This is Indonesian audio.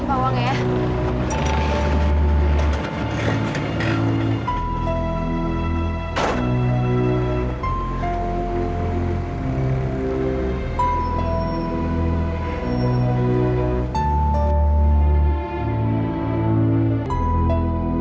ini bawangnya ya